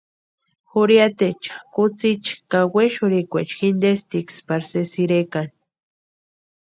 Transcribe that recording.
Jurhiataecha, kutsïicha ka wexurhikwaecha jintestiksï pari sésï irekani.